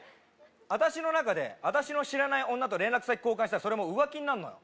私の中で私の知らない女と連絡先交換したらそれもう浮気になるのよ